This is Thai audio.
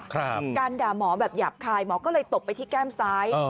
การด่าหมอแบบหยาบคายหมอก็เลยตบไปที่แก้มซ้าย